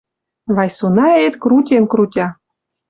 Вайсонаэт крутен-крутя.